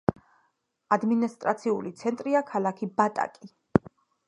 ადმინისტრაციული ცენტრია ქალაქი ბატაკი.